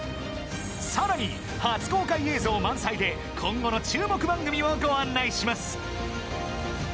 さらに、初公開映像満載で今後の注目番組をご案内します。